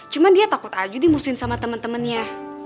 cuma dia takut aja dimusuhin sama temen temennya